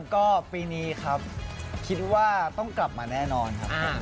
ก็ปีนี้ครับคิดว่าต้องกลับมาแน่นอนครับ